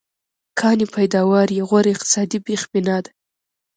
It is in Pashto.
کانې پیداوار یې غوره اقتصادي بېخبنا ده.